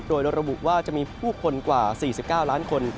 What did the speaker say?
โดยระบุว่าจะมีผู้คนกว่า๔๙ล้านคน